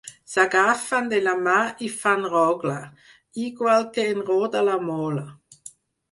S’agafen de la mà i fan rogle, igual que en roda la mola.